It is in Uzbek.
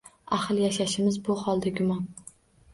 Ahil yashashimiz bu holda gumon